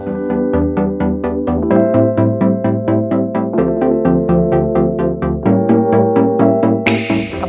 ดีเจอาศาสมัคร